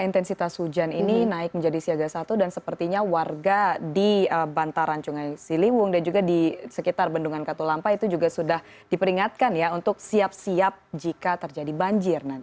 intensitas hujan ini naik menjadi siaga satu dan sepertinya warga di bantaran sungai siliwung dan juga di sekitar bendungan katulampa itu juga sudah diperingatkan ya untuk siap siap jika terjadi banjir